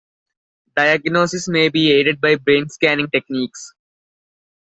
Diagnosis may be aided by brain scanning techniques.